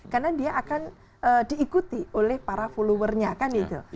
karena dia akan diikuti oleh para followernya kan itu